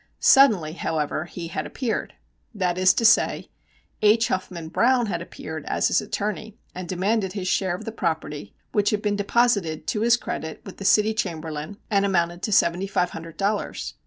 Suddenly, however, he had appeared. That is to say, H. Huffman Browne had appeared as his attorney, and demanded his share of the property which had been deposited to his credit with the City Chamberlain and amounted to seventy five hundred dollars.